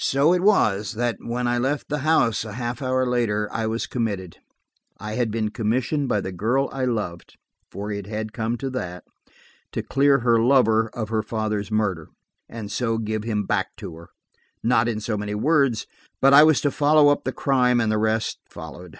So it was, that, when I left the house a half hour later, I was committed. I had been commissioned by the girl I loved–for it had come to that–to clear her lover of her father's murder, and so give him back to her–not in so many words, but I was to follow up the crime, and the rest followed.